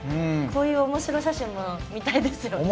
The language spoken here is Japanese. こういうおもしろ写真も見たいですよね。